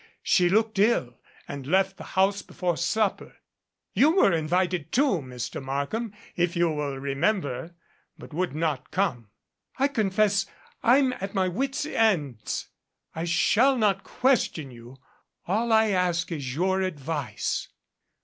She looked ill and left the house be fore supper. You were invited, too, Mr. Markham, if you will remember, but would not corne. I confess I'm at my wit's ends. I shall not question you. All I ask is your advice."